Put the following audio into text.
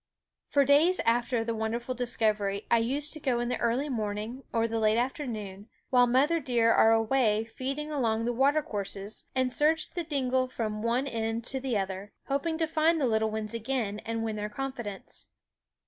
For days after the wonderful discovery I used to go in the early morning or the late afternoon, while mother deer are away feeding along the watercourses, and search the dingle from one end to the other, hoping to find the 'little ones again and win their confidence.